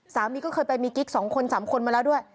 สามีก็เคยไปมีกิ๊ก๒คน๓คนมาแล้วด้วย